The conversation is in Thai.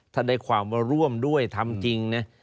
ถ้าได้ความว่าร่วมด้วยทำจริงนะ